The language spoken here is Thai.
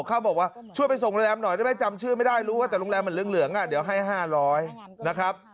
เขาบอกว่าช่วยไปส่งโรงแรมหน่อยได้ไหมจำชื่อไม่ได้รู้ว่าแต่โรงแรมมันเหลืองเดี๋ยวให้๕๐๐นะครับ